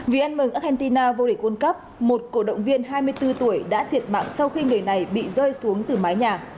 vì ăn mừng argentina vô địch world cup một cổ động viên hai mươi bốn tuổi đã thiệt mạng sau khi người này bị rơi xuống từ mái nhà